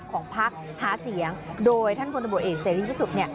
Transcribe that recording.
ของพักหาเสียงโดยท่านพลตำรวจเอกเสรีพิสุทธิ์เนี่ย